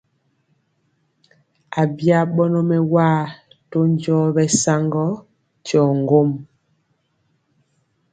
Abya ɓɔnɔ mɛwaa to njɔɔ ɓɛsaŋgɔ tyɔ ŋgom.